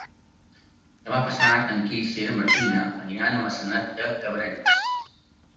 Demà passat en Quirze i na Martina iran a Maçanet de Cabrenys.